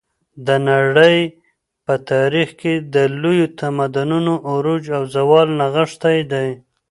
د نړۍ په تاریخ کې د لویو تمدنونو عروج او زوال نغښتی دی.